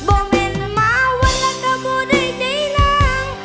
โบ้มเป็นมาวันแล้วกะบูดยได้ลาง